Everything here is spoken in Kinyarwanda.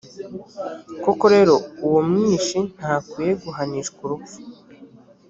koko rero, uwo mwishi ntakwiye guhanishwa urupfu,